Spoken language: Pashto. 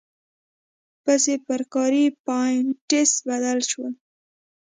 پیسې پر کاري پاینټس بدل شول.